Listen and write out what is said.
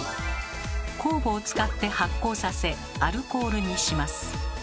酵母を使って発酵させアルコールにします。